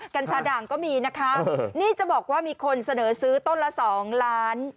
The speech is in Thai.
กัญชาด่างก็มีนะคะนี่จะบอกว่ามีคนเสนอซื้อต้นละ๒ล้าน